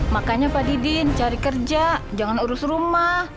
makanya pak didin cari kerja jangan urus rumah